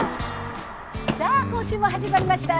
さあ今週も始まりましたＧＯ！